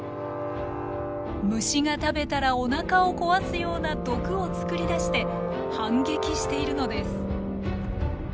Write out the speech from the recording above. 虫が食べたらおなかを壊すような毒を作り出して反撃しているのです。